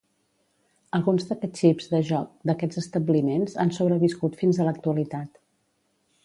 Alguns d'aquests xips de joc d'aquests establiments han sobreviscut fins a l'actualitat.